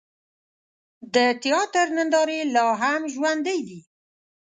د تیاتر نندارې لا هم ژوندۍ دي.